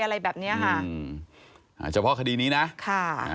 อะไรแบบเนี้ยฮะอันเฉพาะคดีนี้นะค่ะ